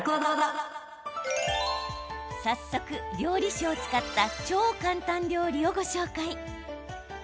早速、料理酒を使った超簡単料理をご紹介。